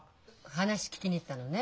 話聞きに行ったのね。